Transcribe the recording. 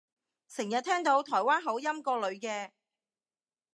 成日聽到台灣口音個女嘅